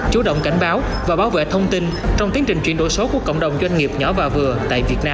chủ động cảnh báo và bảo vệ thông tin trong tiến trình chuyển đổi số của cộng đồng doanh nghiệp nhỏ và vừa tại việt nam